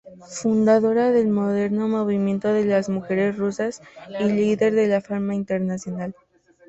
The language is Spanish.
Fundadora del moderno movimiento de mujeres rusas y líder de fama internacional.